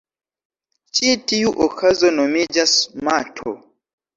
Ĉi tiu okazo nomiĝas mato.